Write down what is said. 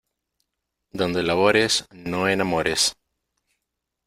Donde labores no enamores.